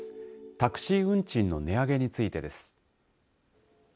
タクシー運賃の値上げについてです。